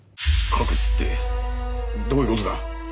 隠すってどういう事だ？